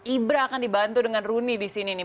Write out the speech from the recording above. ibra akan dibantu dengan rooney di sini nih